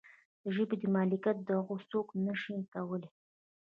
د ژبې د مالکیت دعوه څوک نشي کولی.